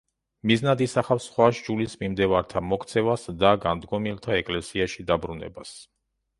მიზნად ისახავს სხვა სჯულის მიმდევართა მოქცევას და განდგომილთა ეკლესიაში დაბრუნებას.